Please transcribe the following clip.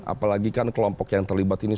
apalagi kan kelompok yang terlibat ini